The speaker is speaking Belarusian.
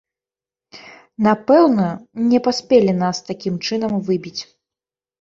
Напэўна, не паспелі нас такім чынам выбіць.